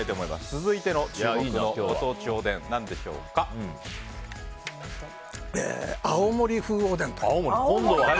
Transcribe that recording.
続いての注目のご当地おでんは青森風おでん。